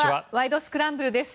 スクランブル」です。